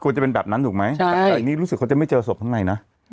จะเป็นแบบนั้นถูกไหมแต่อย่างนี้รู้สึกเขาจะไม่เจอศพข้างในนะ